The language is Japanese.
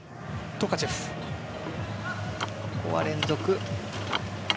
ここは連続。